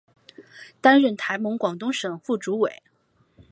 担任台盟广东省副主委。